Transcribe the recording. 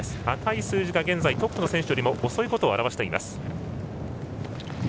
赤い数字が現在トップの選手より遅いことを表しています。